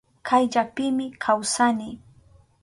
Kayllapimi kawsani.